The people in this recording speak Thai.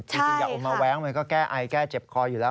จริงอย่าเอามาแว้งมันก็แก้ไอแก้เจ็บคออยู่แล้ว